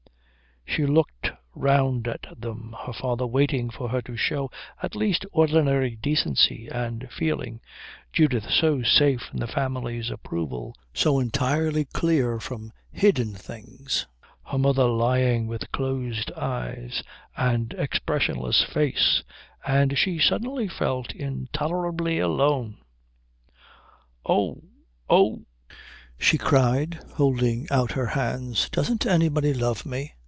She looked round at them her father waiting for her to show at least ordinary decency and feeling, Judith so safe in the family's approval, so entirely clear from hidden things, her mother lying with closed eyes and expressionless face, and she suddenly felt intolerably alone. "Oh, oh " she cried, holding out her hands, "doesn't anybody love me?"